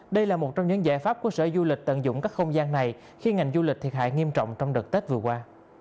đây là một trong những giải pháp của sở du lịch tận dụng các không gian này khi ngành du lịch thiệt hại nghiêm trọng trong đợt tết vừa qua